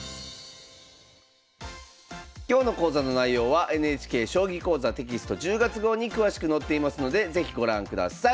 今日の講座の内容はＮＨＫ「将棋講座」テキスト１０月号に詳しく載っていますので是非ご覧ください。